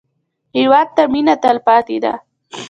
هېواد ته مېنه تلپاتې ده